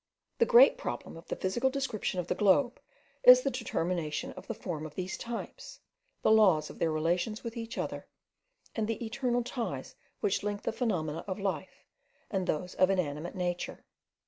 The great problem of the physical description of the globe, is the determination of the form of these types, the laws of their relations with each other, and the eternal ties which link the phenomena of life, and those of inanimate nature.